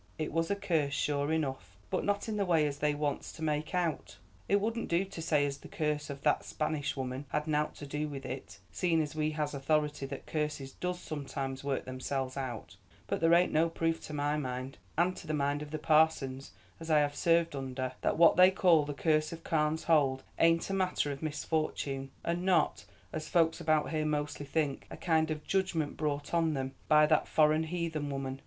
It was a curse, sure enough, but not in the way as they wants to make out. It wouldn't do to say as the curse of that Spanish woman had nowt to do with it, seeing as we has authority that curses does sometimes work themselves out; but there ain't no proof to my mind, and to the mind of the parsons as I have served under, that what they call the curse of Carne's Hold ain't a matter of misfortune, and not, as folks about here mostly think, a kind of judgment brought on them by that foreign, heathen woman.